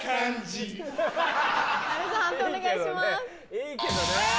いいけどね。